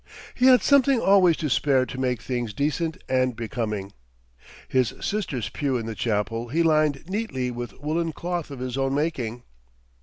He had something always to spare to make things decent and becoming. His sister's pew in the chapel he lined neatly with woolen cloth of his own making.